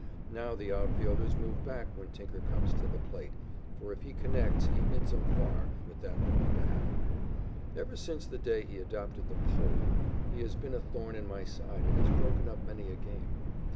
Now the outfielders move back when Tinker comes to the plate, for, if he connects, he hits "'em far" with that long bat. Ever since the day he adopted the "pole" he has been a thorn in my side and has broken up many a game.